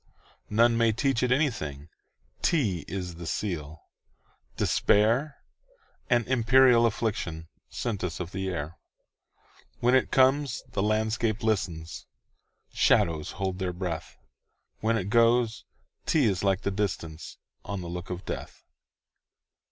None may teach it anything,'T is the seal, despair,—An imperial afflictionSent us of the air. When it comes, the landscape listens, Shadows hold their breath; When it goes, 't is like the distanceOn the look of death.